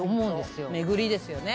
巡りですよね。